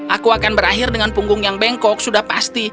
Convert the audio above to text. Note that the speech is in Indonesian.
aku akan berakhir dengan punggung yang bengkok sudah pasti